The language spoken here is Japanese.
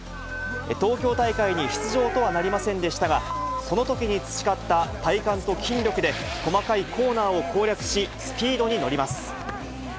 東京大会に出場とはなりませんでしたが、そのときに培った体幹と筋力で、細かいコーナーを攻略し、スピードに乗ります。